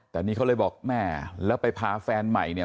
แต่นี่เขาเลยบอกแม่แล้วไปพาแฟนใหม่เนี่ย